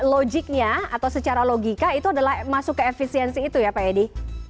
logiknya atau secara logika itu adalah masuk ke efisiensi itu ya pak edi